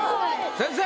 先生！